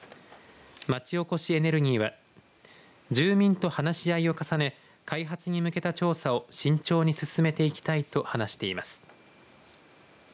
町おこしエネルギーは住民と話し合いを重ね開発に向けた調査を慎重に進めていきたいと話しています。